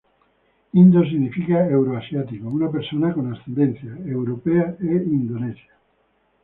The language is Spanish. Indo significa euroasiático: una persona con ascendencia europea e indonesia.